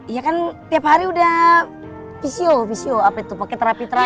iya kan tiap hari udah visio visio apa itu pakai terapi terapi